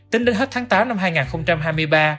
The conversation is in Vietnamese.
tính đến hết tháng tám năm hai nghìn hai mươi ba